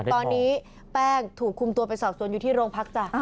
ตอนนี้แป้งถูกคุมตัวไปสอบสวนอยู่ที่โรงพักจ้ะ